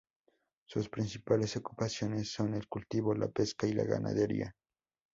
Sus principales ocupaciones son el cultivo, la pesca y la ganadería.